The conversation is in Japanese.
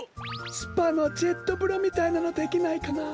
スパのジェットぶろみたいなのできないかな？